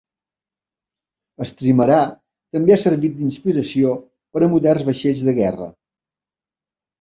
El trimarà també ha servit d'inspiració per a moderns vaixells de guerra.